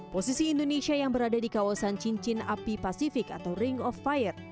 posisi indonesia yang berada di kawasan cincin api pasifik atau ring of fire